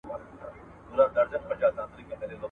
د سهار رنګونه په اسمان کې خپاره شول.